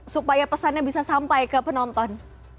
supaya pesannya bisa sampai ke penonton